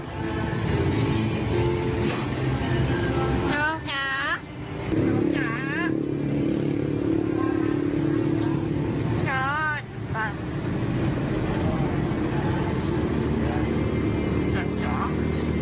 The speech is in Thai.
ทองจ๋าทองจ๋าทอง